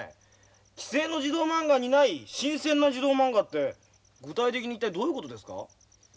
既成の児童まんがにない新鮮な児童まんがって具体的に一体どういうことですか？